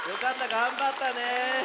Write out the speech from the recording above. がんばったね。